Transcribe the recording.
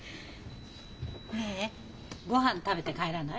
ねえ御飯食べて帰らない？